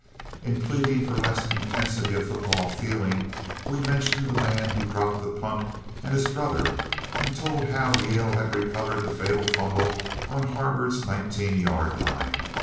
In pleading for less intensity of football feeling we mentioned the man who dropped the punt and his brother and told how Yale had recovered the fatal fumble on Harvard's nineteen yard line.